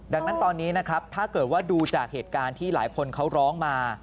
ดังนั้นตอนนี้นะครับถ้าเกิดว่าดูจากเหตุการณ์ที่หลายคนเขาร้องมา